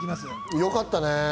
よかったね。